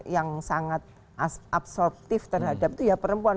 yang sangat absorptif terhadap itu ya perempuan